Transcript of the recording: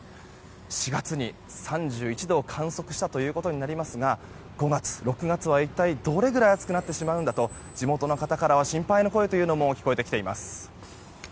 ４月に３１度を観測したということになりますが５月、６月は一体どれくらい暑くなってしまうんだと地元の方からは心配の声というのも聞こえてきています。